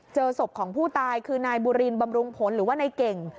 เจอศพของผู้ตายคือนายบุรินบำรุงผลหรือว่านายเก่ง